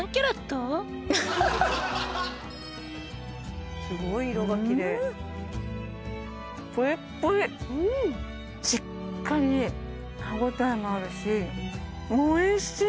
アハハすごい色がきれいうんしっかり歯応えもあるしおいしい！